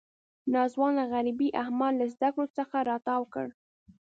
ناځوانه غریبۍ احمد له زده کړو څخه را تاو کړ.